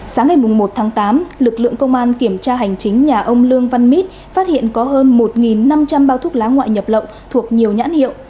sáng ngày một tháng tám lực lượng công an kiểm tra hành chính nhà ông lương văn mít phát hiện có hơn một năm trăm linh bao thuốc lá ngoại nhập lậu thuộc nhiều nhãn hiệu